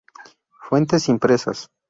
Fuentes impresas.